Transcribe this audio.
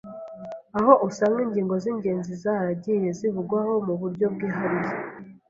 aho usanga ingingo z’ingenzi zaragiye zivugwaho mu buryo bwihariye,